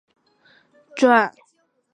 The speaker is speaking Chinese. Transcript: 就等消息一出大赚特赚